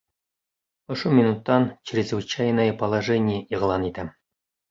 Ошо минуттан чрезвычайное положение иғлан итәм!